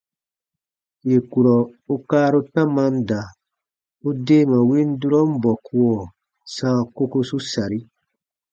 Yè kurɔ u kaaru tamam da, u deema win durɔn bɔkuɔ sãa kokosu sari.